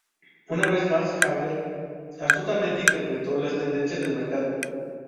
Una vez más, Jagger astutamente interpretó las tendencias del mercado.